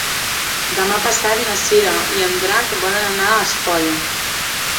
Demà passat na Cira i en Drac volen anar a Espolla.